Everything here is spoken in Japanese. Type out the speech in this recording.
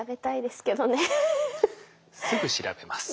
すぐ調べます。